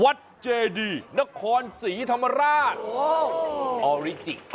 วัดเจดีนครศรีธรรมราช